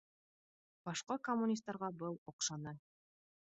Башҡа коммунистарға был оҡшаны